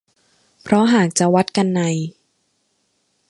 เพราะหากจะวัดกันใน